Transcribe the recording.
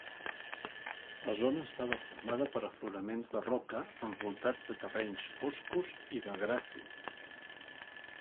La zona estava formada per afloraments de roca, envoltats de terrenys foscos i de gra fi.